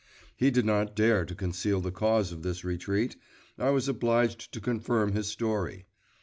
He did not dare to conceal the cause of this retreat; I was obliged to confirm his story.